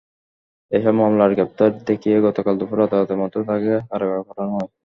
এসব মামলায় গ্রেপ্তার দেখিয়ে গতকাল দুপুরে আদালতের মাধ্যমে তাঁকে কারাগারে পাঠানো হয়।